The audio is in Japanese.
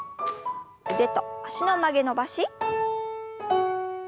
腕と脚の曲げ伸ばし。